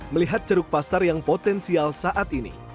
melihat ceruk pasar yang potensial saat ini